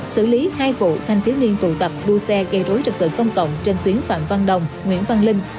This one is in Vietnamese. xử lý hai vụ thanh thiếu niên tụ tập đua xe gây rối trật tự công cộng trên tuyến phạm văn đồng nguyễn văn linh